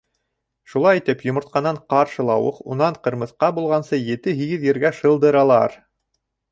Шулай итеп, йомортҡанан ҡаршылауыҡ, унан ҡырмыҫҡа булғансы ете-һигеҙ ергә шылдыралар.